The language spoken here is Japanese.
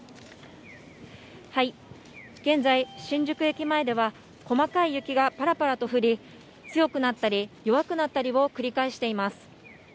現在、新宿駅前では、細かい雪がぱらぱらと降り、強くなったり、弱くなったりを繰り返しています。